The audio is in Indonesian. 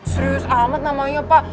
serius amat namanya pak